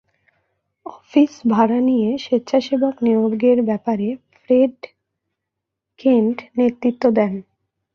Office ভাড়া নিয়ে স্বেচ্ছাসেবক নিয়োগের ব্যাপারে ফ্রেড কেন্ট নেতৃত্ব দেন।